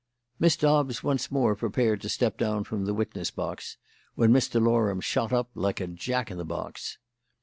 Miss Dobbs once more prepared to step down from the witness box, when Mr. Loram shot up like a jack in the box.